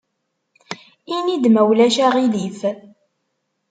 Ini-d ma ulac aɣilif.